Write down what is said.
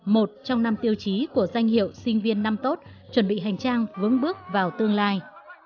một trong năm tiêu chí của danh hiệu sinh viên năm tốt chuẩn bị hành trang vững bước vào tương lai